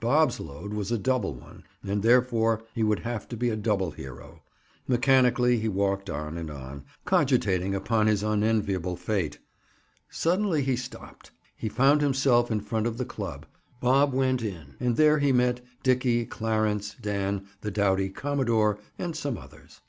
Bob's load was a double one and therefore he would have to be a double hero. Mechanically he walked on and on, cogitating upon his unenviable fate. Suddenly he stopped. He found himself in front of the club. Bob went in. And there he met Dickie, Clarence, Dan the doughty "commodore" and some others.